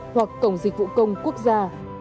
hoặc cổng dịch vụ công quốc gia